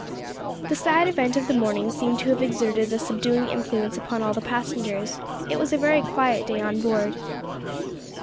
The sad event of the morning seemed to have exerted a subduing influence upon all the passengers; it was a very quiet day on board.